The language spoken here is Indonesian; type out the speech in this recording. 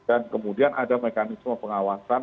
dan kemudian ada mekanisme pengawasan